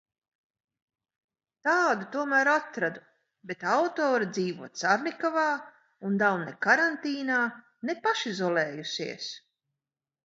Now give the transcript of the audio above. Tādu tomēr atradu, bet autore dzīvo Carnikavā un nav ne karantīnā, ne pašizolējusies.